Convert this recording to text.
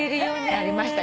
なりました。